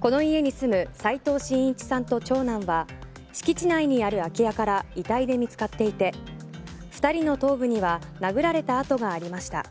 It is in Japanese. この家に住む齋藤真一さんと長男は敷地内にある空き家から遺体で見つかっていて２人の頭部には殴られた痕がありました。